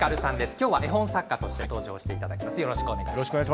今日は絵本作家として登場していただきます。